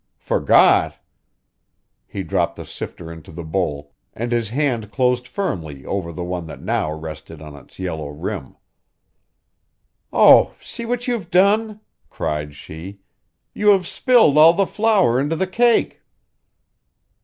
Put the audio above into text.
"Forgot." He dropped the sifter into the bowl and his hand closed firmly over the one that now rested on its yellow rim. "Oh, see what you've done!" cried she. "You have spilled all that flour into the cake."